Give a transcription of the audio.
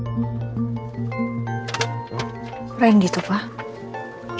apa yang gitu pak